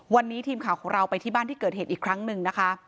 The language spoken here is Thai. วันนี้ทีมข่าวของเราไปที่บ้านที่เกิดเหตุอีกครั้งหนึ่งนะคะ